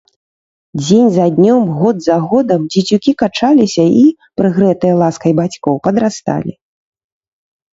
Дзень за днём, год за годам дзецюкі качаліся і, прыгрэтыя ласкай бацькоў, падрасталі.